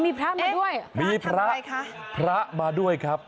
มีพระมาด้วยพระทำอะไรคะมีพระมาด้วยครับ